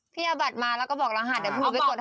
พี่เอาบัตรมานะแล้วก็บอกรหัสเอาไปจดให้